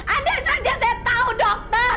andai saja saya tahu dokter